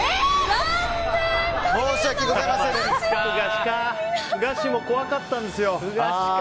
ふ菓子も怖かったんですよ。